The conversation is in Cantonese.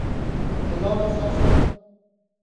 咪嚕嚕囌囌